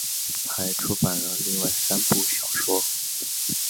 她还出版了另外三部小说。